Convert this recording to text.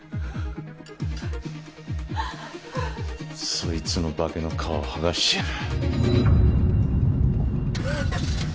そいつの化けの皮を剥がしてやる。